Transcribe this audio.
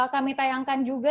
kami tayangkan juga